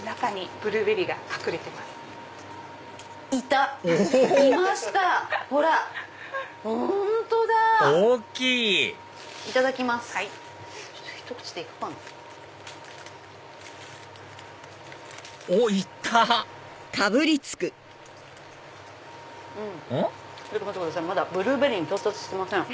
ブルーベリーに到達してません。